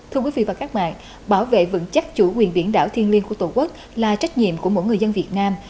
thưa quý vị và các bạn bảo vệ vững chắc chủ quyền biển đảo thiên liên của tổ quốc là trách nhiệm của mỗi người dân việt nam